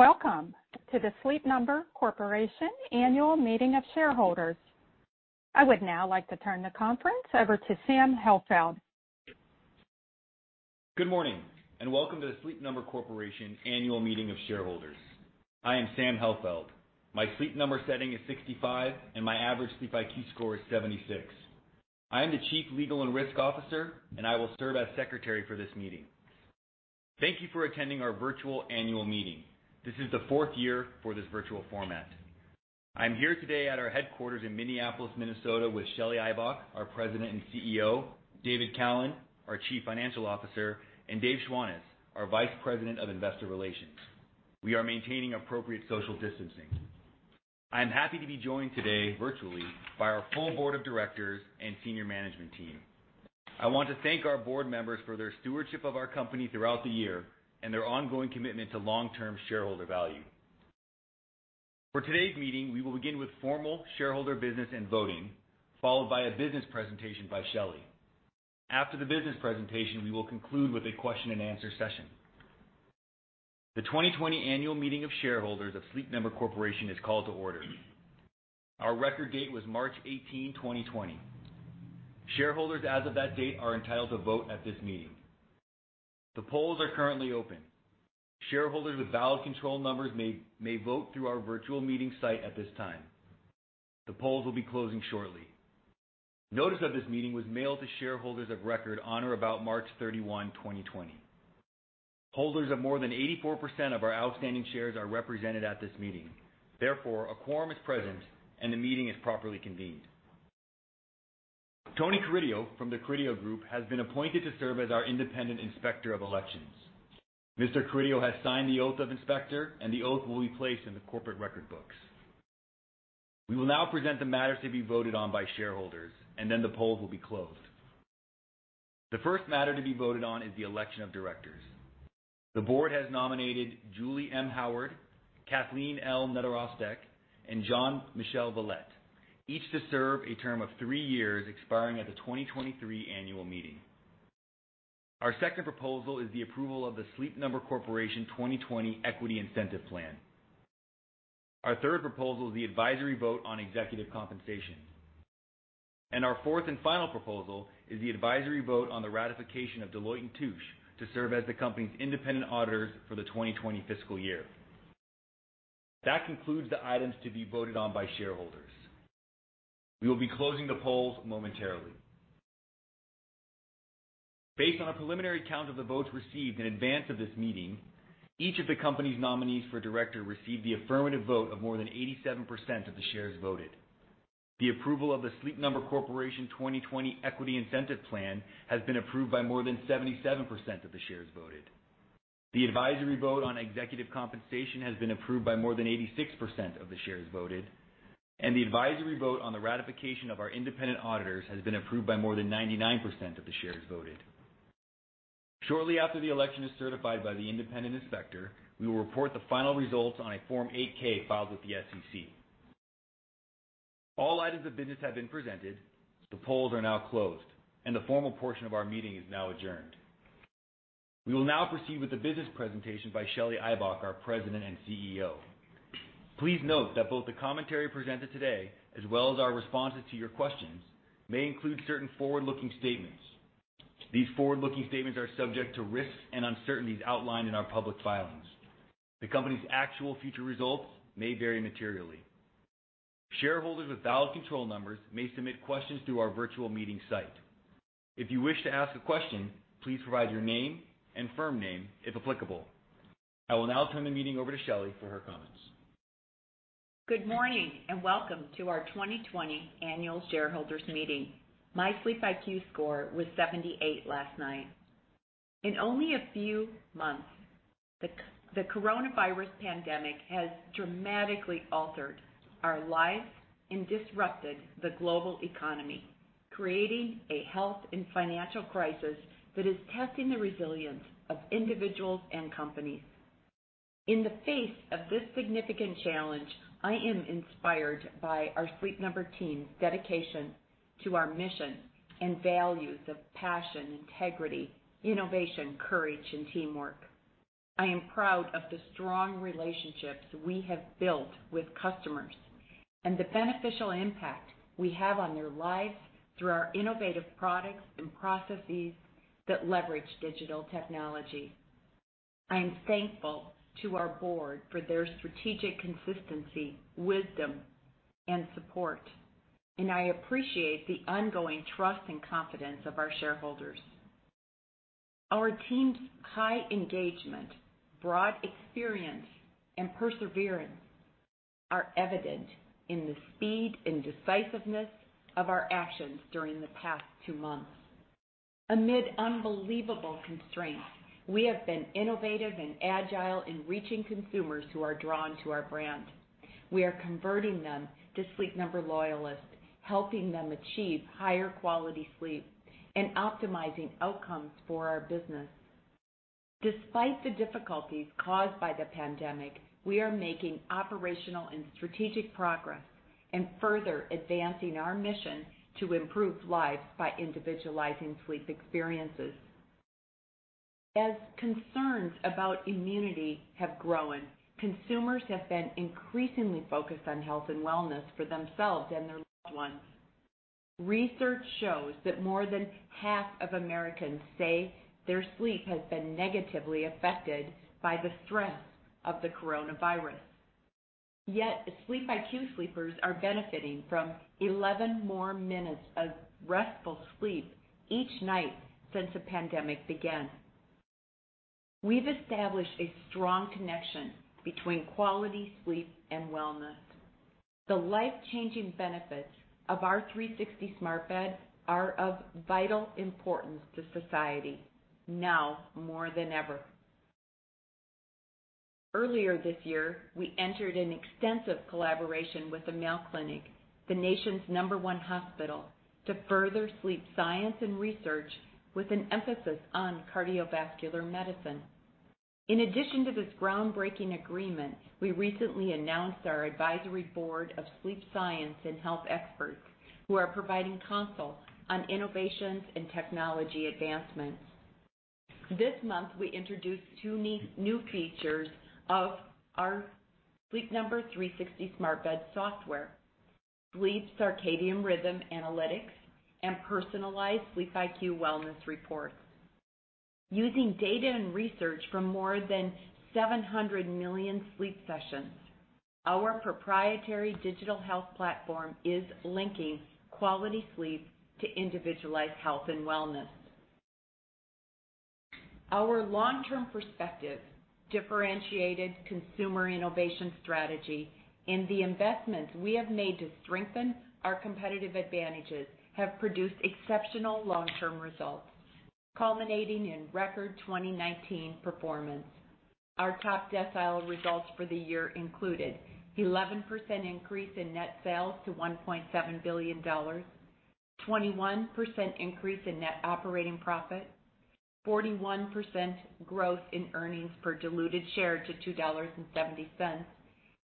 Welcome to the Sleep Number Corporation Annual Meeting of Shareholders. I would now like to turn the conference over to Dave Mason. Good morning, welcome to the Sleep Number Corporation Annual Meeting of Shareholders. I am Sam Helfeld. My Sleep Number setting is 65, and my average SleepIQ score is 76. I am the Chief Legal and Risk Officer, and I will serve as secretary for this meeting. Thank you for attending our virtual annual meeting. This is the fourth year for this virtual format. I'm here today at our headquarters in Minneapolis, Minnesota, with Shelly Ibach, our President and CEO, David Cowen, our Chief Financial Officer, and Dave Schwantes, our Vice President of Investor Relations. We are maintaining appropriate social distancing. I am happy to be joined today virtually by our full board of directors and senior management team. I want to thank our board members for their stewardship of our company throughout the year and their ongoing commitment to long-term shareholder value. For today's meeting, we will begin with formal shareholder business and voting, followed by a business presentation by Shelly. After the business presentation, we will conclude with a question-and-answer session. The 2020 Annual Meeting of Shareholders of Sleep Number Corporation is called to order. Our record date was March 18, 2020. Shareholders as of that date are entitled to vote at this meeting. The polls are currently open. Shareholders with valid control numbers may vote through our virtual meeting site at this time. The polls will be closing shortly. Notice of this meeting was mailed to shareholders of record on or about March 31, 2020. Holders of more than 84% of our outstanding shares are represented at this meeting. Therefore, a quorum is present and the meeting is properly convened. Tony Carideo, from The Carideo Group, has been appointed to serve as our independent inspector of elections. Mr. Carideo has signed the oath of inspector, and the oath will be placed in the corporate record books. We will now present the matters to be voted on by shareholders, and then the polls will be closed. The first matter to be voted on is the election of directors. The board has nominated Julie M. Howard, Kathleen L. Nedorostek, and Jean-Michel Valette, each to serve a term of 3 years, expiring at the 2023 annual meeting. Our second proposal is the approval of the Sleep Number Corporation 2020 Equity Incentive Plan. Our third proposal is the advisory vote on executive compensation. Our fourth and final proposal is the advisory vote on the ratification of Deloitte & Touche to serve as the company's independent auditors for the 2020 fiscal year. That concludes the items to be voted on by shareholders. We will be closing the polls momentarily. Based on a preliminary count of the votes received in advance of this meeting, each of the company's nominees for director received the affirmative vote of more than 87% of the shares voted. The approval of the Sleep Number Corporation 2020 Equity Incentive Plan has been approved by more than 77% of the shares voted. The advisory vote on executive compensation has been approved by more than 86% of the shares voted, and the advisory vote on the ratification of our independent auditors has been approved by more than 99% of the shares voted. Shortly after the election is certified by the independent inspector, we will report the final results on a Form 8-K filed with the SEC. All items of business have been presented, the polls are now closed, and the formal portion of our meeting is now adjourned. We will now proceed with the business presentation by Shelley Ibach, our President and CEO. Please note that both the commentary presented today, as well as our responses to your questions, may include certain forward-looking statements. These forward-looking statements are subject to risks and uncertainties outlined in our public filings. The company's actual future results may vary materially. Shareholders with valid control numbers may submit questions through our virtual meeting site. If you wish to ask a question, please provide your name and firm name, if applicable. I will now turn the meeting over to Shelley for her comments. Good morning, and welcome to our 2020 Annual Shareholders Meeting. My SleepIQ score was 78 last night. In only a few months, the coronavirus pandemic has dramatically altered our lives and disrupted the global economy, creating a health and financial crisis that is testing the resilience of individuals and companies. In the face of this significant challenge, I am inspired by our Sleep Number team's dedication to our mission and values of passion, integrity, innovation, courage, and teamwork. I am proud of the strong relationships we have built with customers and the beneficial impact we have on their lives through our innovative products and processes that leverage digital technology. I am thankful to our board for their strategic consistency, wisdom, and support, and I appreciate the ongoing trust and confidence of our shareholders. Our team's high engagement, broad experience, and perseverance are evident in the speed and decisiveness of our actions during the past two months. Amid unbelievable constraints, we have been innovative and agile in reaching consumers who are drawn to our brand. We are converting them to Sleep Number loyalists, helping them achieve higher quality sleep and optimizing outcomes for our business. Despite the difficulties caused by the pandemic, we are making operational and strategic progress and further advancing our mission to improve lives by individualizing sleep experiences. As concerns about immunity have grown, consumers have been increasingly focused on health and wellness for themselves and their loved ones. Research shows that more than half of Americans say their sleep has been negatively affected by the threats of the coronavirus. Yet SleepIQ sleepers are benefiting from 11 more minutes of restful sleep each night since the pandemic began. We've established a strong connection between quality sleep and wellness. The life-changing benefits of our 360 smart bed are of vital importance to society, now more than ever. Earlier this year, we entered an extensive collaboration with the Mayo Clinic, the nation's number one hospital, to further sleep science and research with an emphasis on cardiovascular medicine. In addition to this groundbreaking agreement, we recently announced our advisory board of sleep science and health experts, who are providing consult on innovations and technology advancements. This month, we introduced two neat new features of our Sleep Number 360 smart bed software: sleep circadian rhythm analytics and personalized SleepIQ wellness reports. Using data and research from more than 700 million sleep sessions, our proprietary digital health platform is linking quality sleep to individualized health and wellness. Our long-term perspective, differentiated consumer innovation strategy, and the investments we have made to strengthen our competitive advantages have produced exceptional long-term results, culminating in record 2019 performance. Our top decile results for the year included: 11% increase in net sales to $1.7 billion, 21% increase in net operating profit, 41% growth in earnings per diluted share to $2.70,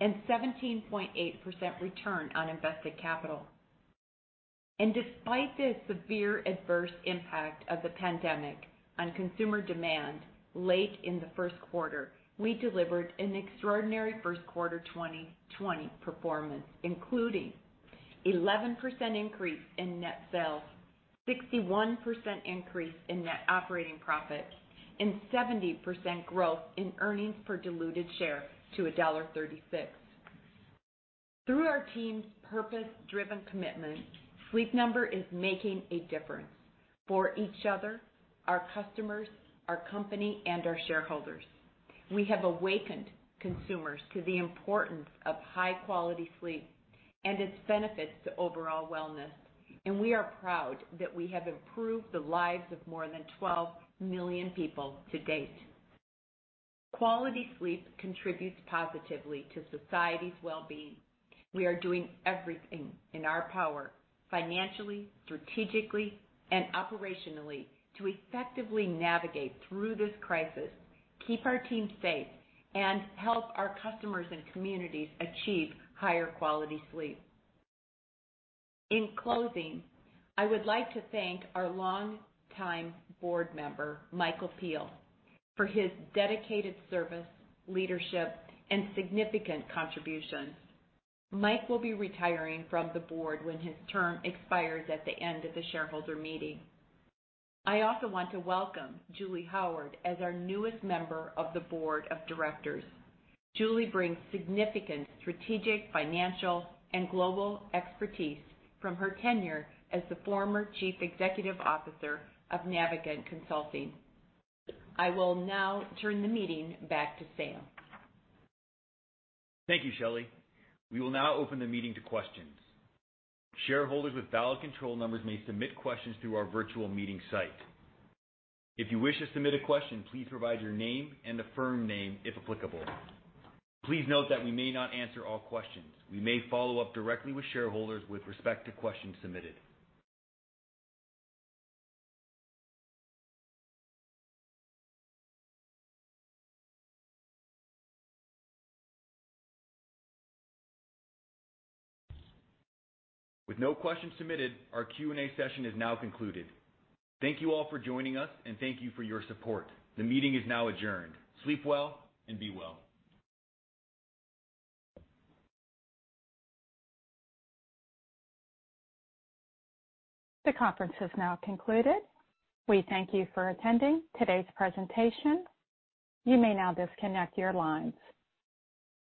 and 17.8% return on invested capital. Despite the severe adverse impact of the pandemic on consumer demand late in the first quarter, we delivered an extraordinary first quarter 2020 performance, including 11% increase in net sales, 61% increase in net operating profit, and 70% growth in earnings per diluted share to $1.36. Through our team's purpose-driven commitment, Sleep Number is making a difference for each other, our customers, our company, and our shareholders. We have awakened consumers to the importance of high-quality sleep and its benefits to overall wellness. We are proud that we have improved the lives of more than 12 million people to date. Quality sleep contributes positively to society's well-being. We are doing everything in our power, financially, strategically, and operationally to effectively navigate through this crisis, keep our team safe, and help our customers and communities achieve higher quality sleep. In closing, I would like to thank our longtime board member, Michael Peel, for his dedicated service, leadership, and significant contributions. Mike will be retiring from the board when his term expires at the end of the shareholder meeting. I also want to welcome Julie Howard as our newest member of the board of directors. Julie brings significant strategic, financial, and global expertise from her tenure as the former chief executive officer of Navigant Consulting. I will now turn the meeting back to Sam. Thank you, Shelly. We will now open the meeting to questions. Shareholders with ballot control numbers may submit questions through our virtual meeting site. If you wish to submit a question, please provide your name and the firm name, if applicable. Please note that we may not answer all questions. We may follow up directly with shareholders with respect to questions submitted. With no questions submitted, our Q&A session is now concluded. Thank you all for joining us, and thank you for your support. The meeting is now adjourned. Sleep well and be well. The conference has now concluded. We thank you for attending today's presentation. You may now disconnect your lines.